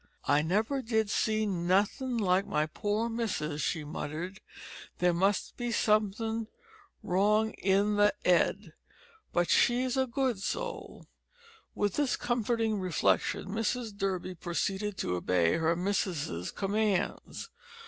"I never did see nothink like my poor missus," she muttered, "there must be somethink wrong in the 'ead. But she's a good soul." With this comforting reflection Mrs Durby proceeded to obey her "missus's" commands.